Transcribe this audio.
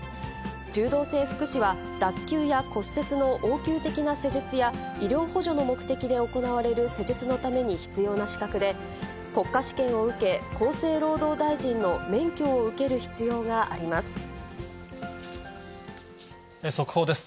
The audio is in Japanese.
柔道整復師は、脱臼や骨折の応急的な施術や、医療補助の目的で行われる施術のために必要な資格で、国家試験を受け、厚生労働大臣の免許を受ける必要があります。